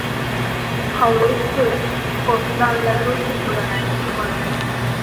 เขารู้สึกกดดันและรู้สึกเบื่อหน่ายอยู่เสมอ